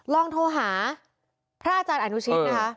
ลองโทรหาพระอาจารย์อนุชิตนะคะ